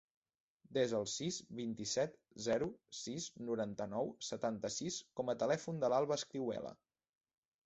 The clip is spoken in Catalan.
Desa el sis, vint-i-set, zero, sis, noranta-nou, setanta-sis com a telèfon de l'Alba Escrihuela.